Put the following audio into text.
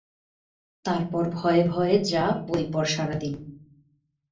তারপর ভয়ে ভয়ে যা বই পড় সারাদিন।